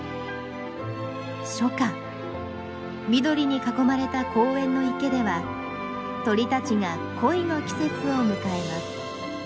初夏緑に囲まれた公園の池では鳥たちが恋の季節を迎えます。